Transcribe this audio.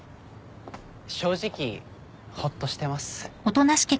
正直ほっとしてます。